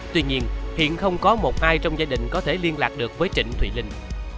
tuy nhiên hiện không có một ai trong gia đình có thể liên lạc được với trịnh thùy linh